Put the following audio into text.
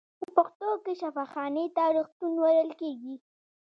په پښتو کې شفاخانې ته روغتون ویل کیږی.